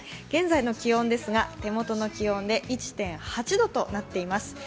現在の気温ですが、手元の気温計で１．８度となっています。